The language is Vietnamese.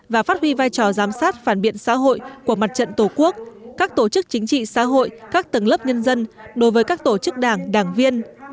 và phát huy vai trò giám sát phản biện xã hội của mặt trận tổ quốc các tổ chức chính trị xã hội các tầng lớp nhân dân đối với các tổ chức đảng đảng viên